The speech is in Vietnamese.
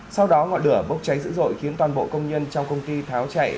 sau đó ngọn lửa bốc cháy dữ dội khiến toàn bộ công nhân trong công ty tháo chạy